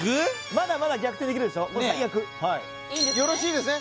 まだまだ逆転できるでしょよろしいですね